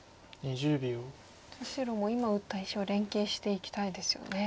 白も今打った石を連係していきたいですよね。